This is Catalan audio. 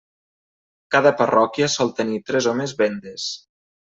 Cada parròquia sol tenir tres o més véndes.